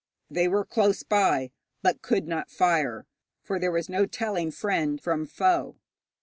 They were close by, but could not fire, for there was no telling friend from foe.